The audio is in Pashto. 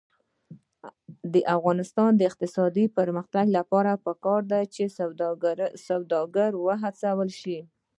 د افغانستان د اقتصادي پرمختګ لپاره پکار ده چې سوداګر وهڅول شي.